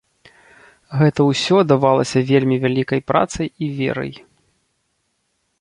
Гэта ўсё давалася вельмі вялікай працай і верай.